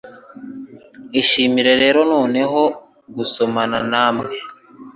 Ishimire rero noneho gusomana namwe